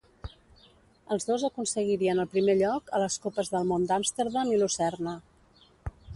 Els dos aconseguirien el primer lloc a les copes del món d'Amsterdam i Lucerna.